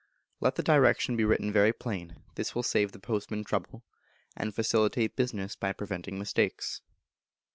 Let the Direction be written very plain; this will save the postman trouble, and facilitate business by preventing mistakes.